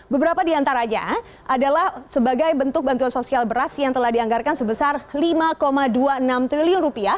beberapa di antaranya adalah sebagai bentuk bantuan sosial beras yang telah dianggarkan sebesar rp lima dua puluh enam triliun